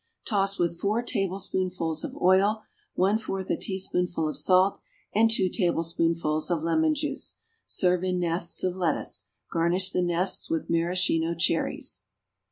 Toss with four tablespoonfuls of oil, one fourth a teaspoonful of salt and two tablespoonfuls of lemon juice. Serve in nests of lettuce. Garnish the nests with maraschino cherries.